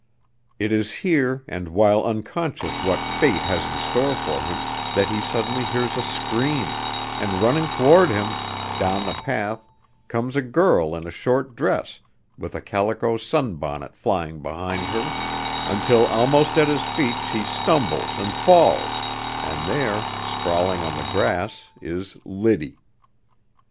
It is here, and while unconscious what Fate has in store for him, that he suddenly hears a scream, and running toward him, down the path comes a girl in a short dress with a calico sun bonnet flying behind her, until almost at his feet she stumbles and falls and there, sprawling on the grass, is Liddy.